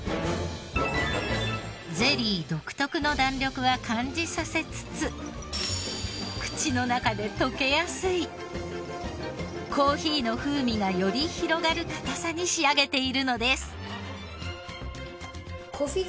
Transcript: ゼリー独特の弾力は感じさせつつ口の中で溶けやすいコーヒーの風味がより広がる硬さに仕上げているのです。